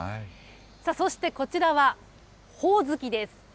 そして、こちらはほおずきです。